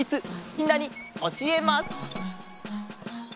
みんなにおしえます！